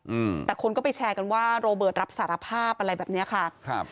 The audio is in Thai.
อืมแต่คนก็ไปแชร์กันว่าโรเบิร์ตรับสารภาพอะไรแบบเนี้ยค่ะครับ